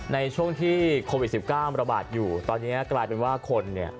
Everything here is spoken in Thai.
ในช่วงที่โควิด๑๙ระบาดอยู่ตอนนี้กลายเป็นว่าคนเนี่ย